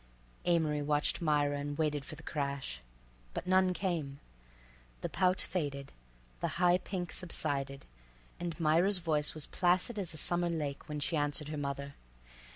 Amory watched Myra and waited for the crash—but none came. The pout faded, the high pink subsided, and Myra's voice was placid as a summer lake when she answered her mother.